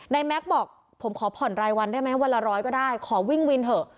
แม็กซ์บอกผมขอผ่อนรายวันได้ไหมวันละร้อยก็ได้ขอวิ่งวินเถอะ